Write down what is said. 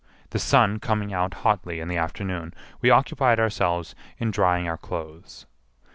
The sun coming out hotly in the afternoon, we occupied ourselves in drying our clothes.